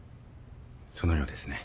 そのようですね。